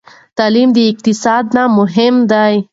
تعلیم د اقتصاد نه مهم دی.